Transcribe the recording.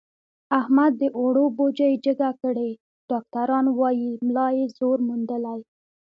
احمد د اوړو بوجۍ جګه کړې، ډاکټران وایي ملا یې زور موندلی.